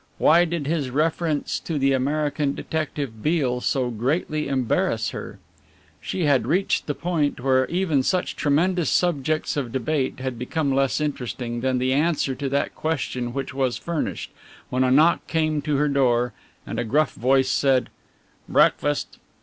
Why did his reference to the American detective, Beale, so greatly embarrass her? She had reached the point where even such tremendous subjects of debate had become less interesting than the answer to that question which was furnished, when a knock came to her door and a gruff voice said: "Breakfast!"